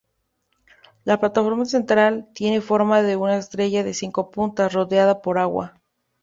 La plataforma central tiene forma de una estrella de cinco puntas, rodeada por agua.